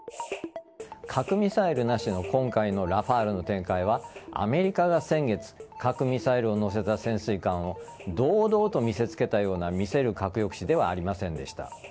核ミサイルなしの今回のラファールの展開はアメリカが先月核ミサイルを載せた潜水艦を堂々と見せつけたような見せる核抑止ではありませんでした。